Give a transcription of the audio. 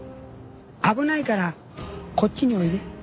危ないからこっちにおいで。